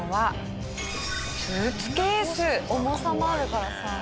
重さもあるからさ。